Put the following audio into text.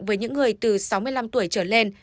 với những người từ sáu mươi năm tuổi trở lên